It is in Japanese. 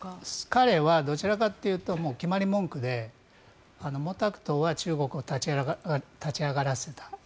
彼はどちらかというと決まり文句で毛沢東は中国を立ち上がらせた。